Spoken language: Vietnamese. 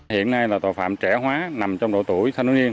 hiện nay là tội phạm trẻ hóa nằm trong độ tuổi thanh thiếu niên